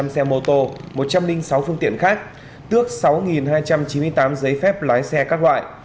một mươi hai bảy trăm linh xe mô tô một trăm linh sáu phương tiện khác tước sáu hai trăm chín mươi tám giấy phép lái xe các loại